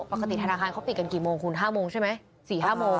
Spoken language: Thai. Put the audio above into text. ปกติธนาคารเขาปิดกันกี่โมงคุณ๕โมงใช่ไหม๔๕โมง